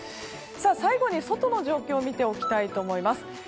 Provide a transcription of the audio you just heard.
最後に外の状況を見ておきたいと思います。